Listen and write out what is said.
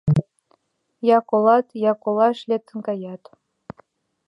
Я колат, я колаш лектын каят.